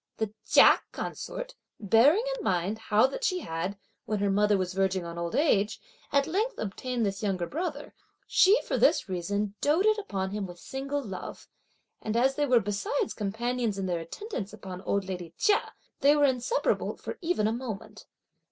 The Chia consort, bearing in mind how that she had, when her mother was verging on old age, at length obtained this younger brother, she for this reason doated upon him with single love; and as they were besides companions in their attendance upon old lady Chia, they were inseparable for even a moment.